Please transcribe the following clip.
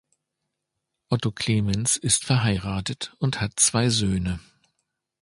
Otto Clemens ist verheiratet und hat zwei Söhne.